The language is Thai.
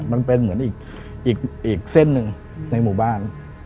มันเป็นเหมือนอีกเส้นหนึ่งในหมู่บ้าน